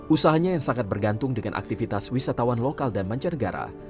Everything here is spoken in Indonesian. usahanya yang sangat bergantung dengan aktivitas wisatawan lokal dan mancanegara